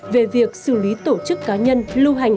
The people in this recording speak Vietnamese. về việc xử lý tổ chức cá nhân lưu hành